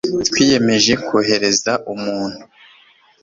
twiyemeje kohereza umuntu